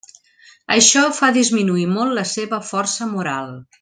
Això fa disminuir molt la seva força moral.